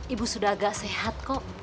ibu sudah agak sehat